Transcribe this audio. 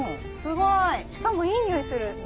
すごい！しかもいい匂いする。